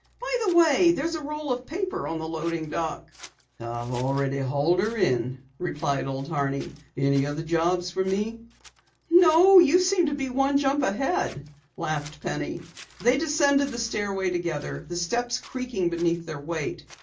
"By the way, there's a roll of paper on the loading dock." "I've already hauled 'er in," replied Old Horney. "Any other jobs for me?" "No, you seem to be one jump ahead," laughed Penny. They descended the stairway together, the steps creaking beneath their weight.